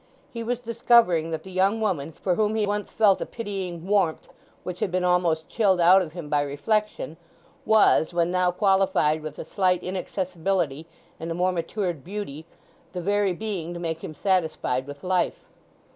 He was discovering that the young woman for whom he once felt a pitying warmth which had been almost chilled out of him by reflection, was, when now qualified with a slight inaccessibility and a more matured beauty, the very being to make him satisfied with life.